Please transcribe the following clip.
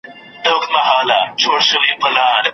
ویښیږي به یو وخت چي اسرافیل وي ستړی سوی